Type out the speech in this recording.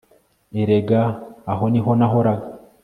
erega aho niho nahoraga